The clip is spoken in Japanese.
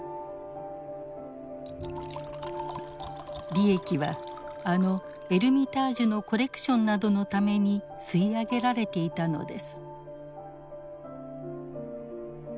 利益はあのエルミタージュのコレクションなどのために吸い上げられていたのです。